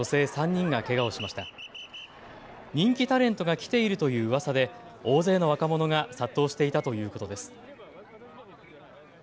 人気タレントが来ているといううわさで大勢の若者が殺到していたということです。